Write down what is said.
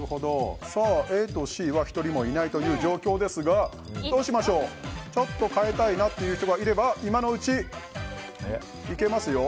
ＡとＣは１人もいないという状況ですがどうしましょうちょっと変えたいなという人がいれば今のうち、いけますよ。